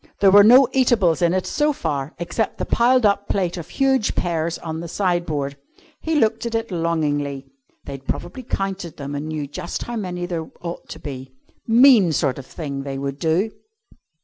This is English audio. There were no eatables in it so far except the piled up plate of huge pears on the sideboard. He looked at it longingly. They'd probably counted them and knew just how many there ought to be. Mean sort of thing they would do.